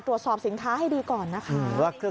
ตรวจสอบสินค้าให้ดีก่อนนะคะ